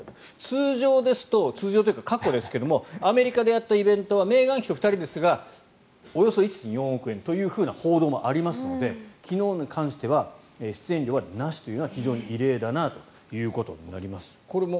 通常ですと通常というか過去ですがアメリカでやったイベントはメーガン妃と２人ですがおよそ１．４億円という報道もありましたので昨日に関しては出演料なしというのは非常に異例だなということになります。